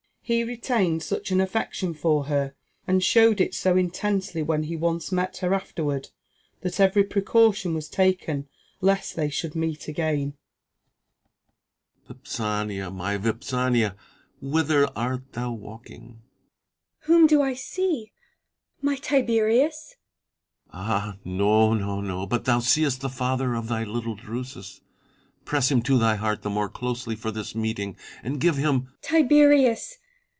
He retained such an affection for her, and showed it so intensely when he once met her afterward, that every precaution was taken lest they should meet again."] Tiberius. Vipsania, my Vipsania, whither art thou walking 1 Vipsania. Whom do I see 1 — my Tiberius ? Tiberius. Ah ! no, no, no ! but thou seest the father of thy little Drusus. Press him to thy heart the more closely for this meeting, and give him Vipsania. Tiberius